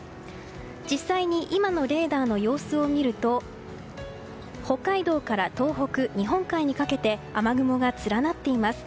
実際に今のレーダーの様子を見ると北海道から東北、日本海にかけて雨雲が連なっています。